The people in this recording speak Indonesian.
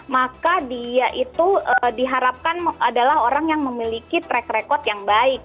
maka dia itu diharapkan adalah orang yang memiliki track record yang baik